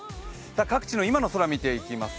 各地の今の空、見ていきます。